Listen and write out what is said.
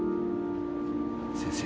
先生。